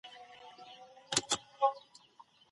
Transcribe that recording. ولې کورني شرکتونه ساختماني مواد له پاکستان څخه واردوي؟